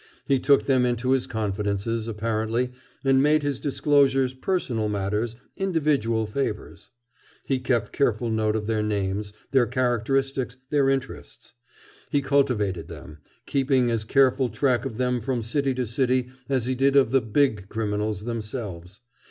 He took them into his confidences, apparently, and made his disclosures personal matters, individual favors. He kept careful note of their names, their characteristics, their interests. He cultivated them, keeping as careful track of them from city to city as he did of the "big" criminals themselves.